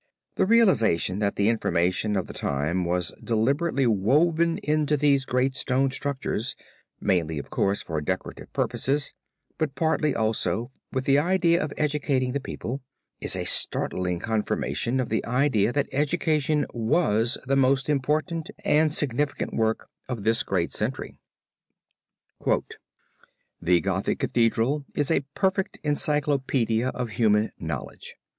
The realization that the information of the time was deliberately woven into these great stone structures, mainly of course for decorative purposes, but partly also with the idea of educating the people, is a startling confirmation of the idea that education was the most important and significant work of this great century. "The Gothic Cathedral is a perfect encyclopedia of human knowledge.